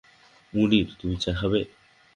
মুনির, তুমি চা খাবে?